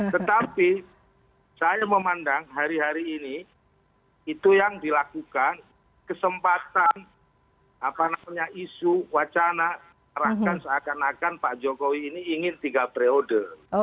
tetapi saya memandang hari hari ini itu yang dilakukan kesempatan isu wacana arahkan seakan akan pak jokowi ini ingin tiga periode